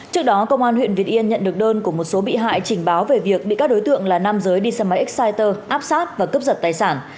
trước đó công an huyện việt yên nhận được đơn của một số bị hại trình báo về việc bị các đối tượng là nam giới đi xe máy exciter áp sát và cướp giật tài sản